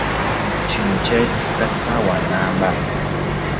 Kino kyetaaga ssaawa nnamba.